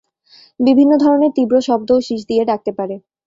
বিভিন্ন ধরনের তীব্র শব্দ ও শিস দিয়ে ডাকতে পারে।